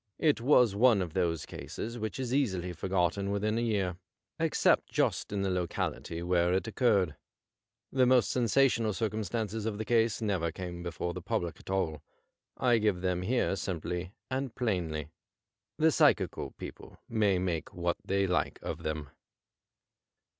It was one of those cases which is easily forgotten within a year, except just in the locality where it occurred. The most sen sational circumstances of the case never came before the public at all. I give them here sinaply and plainly. The psychical people may make what they like of them.